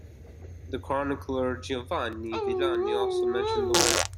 The chronicler Giovanni Villani also mentioned the ware.